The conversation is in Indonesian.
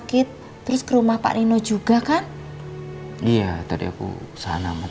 mesti baju dulu ya sayang ya